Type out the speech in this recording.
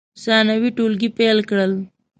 ثانوي ټولګي پیل کړل.